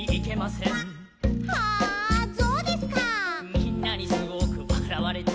「みんなにすごくわらわれた」